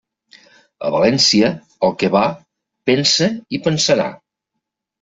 A València, el que va, pensa i pensarà.